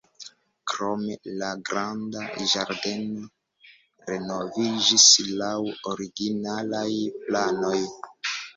Krome la granda ĝardeno renoviĝis laŭ originalaj planoj.